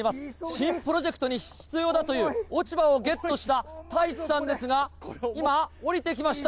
新プロジェクトに必要だという落ち葉をゲットした太一さんですが、今、下りてきました。